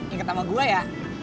inget sama gua ya